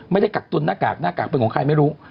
กักตุนหน้ากากหน้ากากเป็นของใครไม่รู้